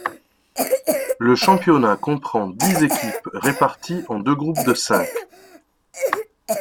Le championnat comprend dix équipes réparties en deux groupes de cinq.